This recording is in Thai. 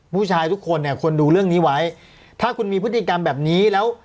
ผู้ชายทุกคนเนี่ยควรดูเรื่องนี้ไว้ถ้าคุณมีพฤติกรรมแบบนี้แล้ว